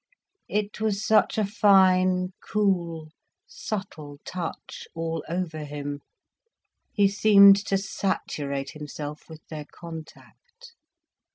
It was such a fine, cool, subtle touch all over him, he seemed to saturate himself with their contact.